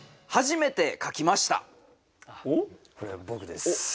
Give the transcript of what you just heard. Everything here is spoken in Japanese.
これは僕です。